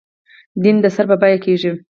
دیدن د سر په بیعه کېږي.